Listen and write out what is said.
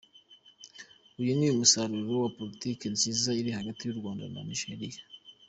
Uyu ni umusaruro wa politiki nziza iri hagati y’u Rwanda na Nigeria.